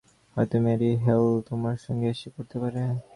হয়তো Mary Hale তোমার সঙ্গে এসে পড়তে পারে।